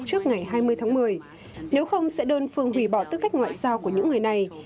trước ngày hai mươi tháng một mươi nếu không sẽ đơn phương hủy bỏ tư cách ngoại giao của những người này